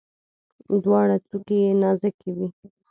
دواړه څوکي یې نازکې وي.